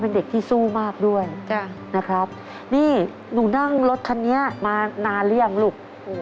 นะครับนี่หนูนั่งรถคันนี้มานานหรือยังลูก